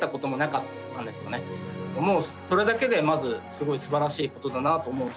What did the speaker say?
もうそれだけでまずすごいすばらしいことだなと思うし。